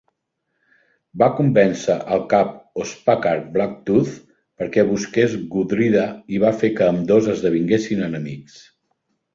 Va convèncer al cap Ospakar Blacktooth perquè busqués Gudrida i va fer que ambdós esdevinguessin enemics.